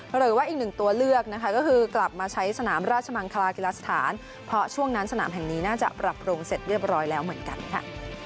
หรือว่าอีกหนึ่งตัวเลือกนะคะก็คือกลับมาใช้สนามราชมังคลากีฬาสถานเพราะช่วงนั้นสนามแห่งนี้น่าจะปรับปรุงเสร็จเรียบร้อยแล้วเหมือนกันค่ะ